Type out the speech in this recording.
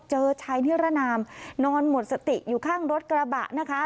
เจอชายนิรนามนอนหมดสติอยู่ข้างรถกระบะนะคะ